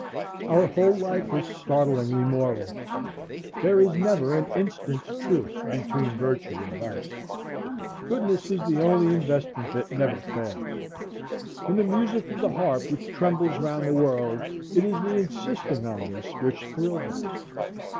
Our whole life is startlingly moral. There is never an instant's truce between virtue and vice. Goodness is the only investment that never fails. In the music of the harp which trembles round the world it is the insisting on this which thrills us.